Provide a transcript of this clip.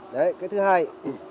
đấy cái thứ hai